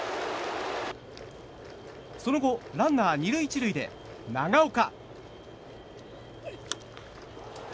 その後、ランナー２塁１塁で長岡。